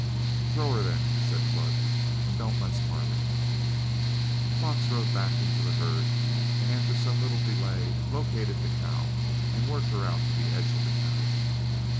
"Throw her, then," said Flood, "and don't let's parley." Fox rode back in to the herd, and after some little delay, located the cow and worked her out to the edge of the cattle.